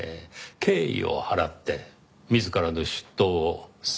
敬意を払って自らの出頭を勧めに参りました。